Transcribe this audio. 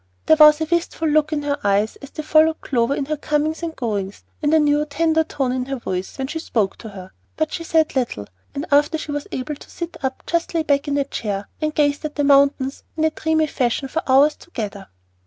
There was a wistful look in her eyes as they followed Clover in her comings and goings, and a new, tender tone in her voice when she spoke to her; but she said little, and after she was able to sit up just lay back in her chair and gazed at the mountains in a dreamy fashion for hours together.